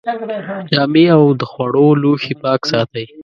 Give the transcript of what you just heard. جامې او د خوړو لوښي پاک ساتئ.